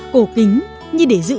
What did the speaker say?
cổ kính như để giữ yên giấc ngủ